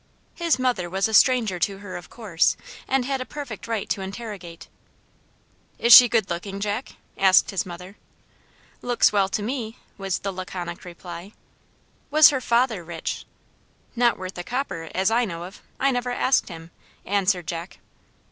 His mother was a stranger to her, of course, and had perfect right to interrogate: "Is she good looking, Jack?" asked his mother. "Looks well to me," was the laconic reply. "Was her FATHER rich?" "Not worth a copper, as I know of; I never asked him," answered Jack.